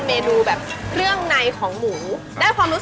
ยอดออกไปในขวดนี้